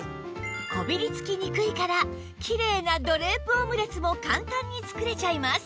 こびりつきにくいからきれいなドレープオムレツも簡単に作れちゃいます